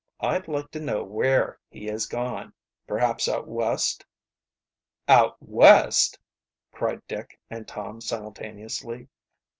I'd like to know where he has gone? Perhaps out West." "Out West?" cried Dick and Tom simultaneously.